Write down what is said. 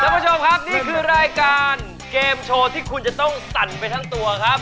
คุณผู้ชมครับนี่คือรายการเกมโชว์ที่คุณจะต้องสั่นไปทั้งตัวครับ